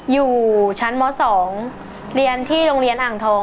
อยู่ชั้นม๒เรียนที่โรงเรียนอ่างทอง